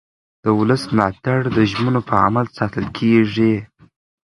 د ولس ملاتړ د ژمنو په عمل ساتل کېږي